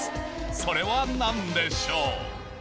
それは何でしょう？